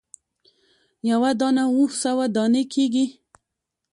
یوه دانه اووه سوه دانې کیږي.